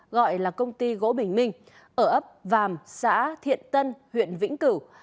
gọi là công ty gỗ bình minh ở ấp vàm xã thiện tân huyện vĩnh cửu